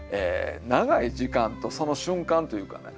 長い時間とその瞬間というかね。